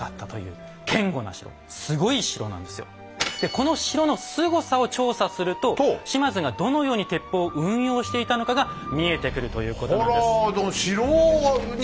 この城のすごさを調査すると島津がどのように鉄砲を運用していたのかが見えてくるということなんです。